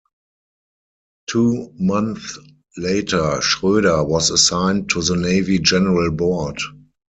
Two months later, Schroeder was assigned to the Navy General Board.